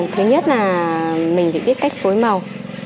thứ nhất là mình phải biết cách phối màu